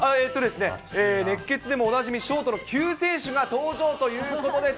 熱血でもおなじみショートの救世主が登場ということです。